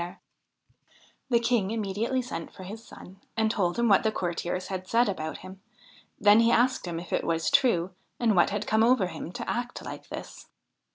G 49 THE HIND OF THE WOOD The King immediately sent for his son and told him what the courtiers had said about him ; then he asked him if it was true, and what had come over him to act like this.